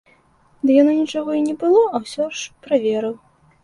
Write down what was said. Ды яно нічога і не было, а ўсё ж праверыў.